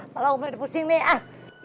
kalau om lai dipusing nih ah